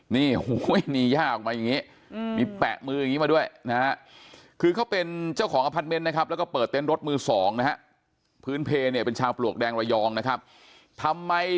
นี่โห้ยนี่ย่าออกมาอย่างงี้มีแปะมืออย่างงี้มาด้วยนะฮะ